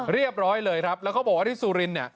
เรียบร้อยเลยครับแล้วเขาบอกว่าที่สุรินเนี่ย